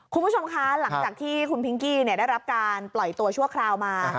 คุณผู้ชมคะหลังจากที่คุณพิงกี้ได้รับการปล่อยตัวชั่วคราวมา